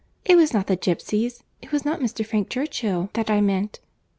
It was not the gipsies—it was not Mr. Frank Churchill that I meant.